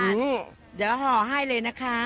เดี๋ยวห่อให้เลยนะคะ